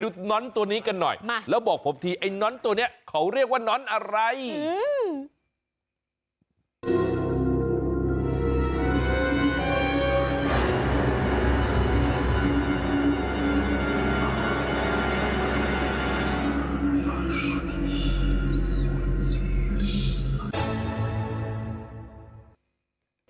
น้อนตัวนี้กันหน่อยมาแล้วบอกผมทีไอ้น้อนตัวเนี้ยเขาเรียกว่าน้อนอะไรอืม